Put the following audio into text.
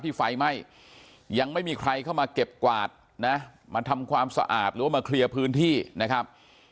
ไฟไหม้ยังไม่มีใครเข้ามาเก็บกวาดนะมาทำความสะอาดหรือว่ามาเคลียร์พื้นที่นะครับ